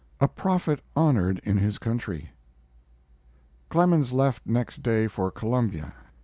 A PROPHET HONORED IN HIS COUNTRY Clemens left next day for Columbia.